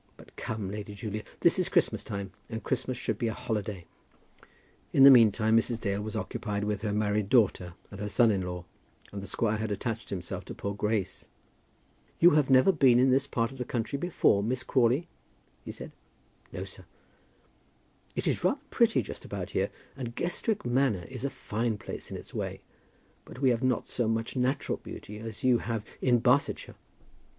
But come, Lady Julia, this is Christmas time, and Christmas should be a holiday." In the meantime Mrs. Dale was occupied with her married daughter and her son in law, and the squire had attached himself to poor Grace. "You have never been in this part of the country before, Miss Crawley," he said. "No, sir." "It is rather pretty just about here, and Guestwick Manor is a fine place in its way, but we have not so much natural beauty as you have in Barsetshire.